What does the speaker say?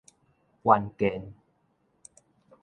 關鍵